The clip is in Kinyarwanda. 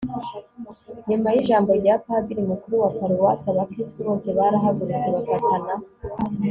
nyuma y'ijambo rya padiri mukuru wa paruwasi, abakristu bose barahagurutse bafatana